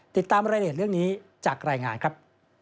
ติดตามรายละเอียดเรื่องนี้จากรายงานครับ